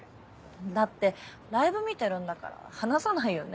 だってライブ見てるんだから話さないよね。